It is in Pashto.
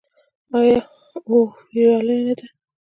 آیا او ویاړلې نه ده؟